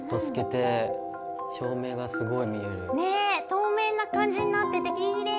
透明な感じになっててきれい！